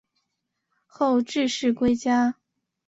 后致仕归家。